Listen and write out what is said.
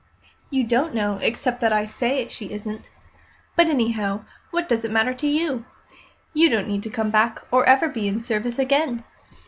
"You don't know, except that I say she isn't. But, anyhow, what does it matter to you? You don't need to come back or ever be in service again.